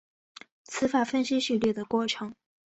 词法分析序列的过程。